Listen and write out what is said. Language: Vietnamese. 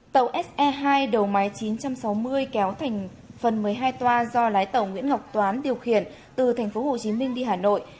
tàu se hai đầu máy chín trăm sáu mươi kéo thành phần một mươi hai toa do lái tàu nguyễn ngọc toán điều khiển từ tp hcm đi hà nội